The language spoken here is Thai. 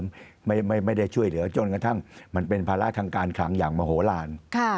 มันไม่ได้ช่วยเหลือจนกระทั่งมันเป็นภาระทางการคลังอย่างมโหลาน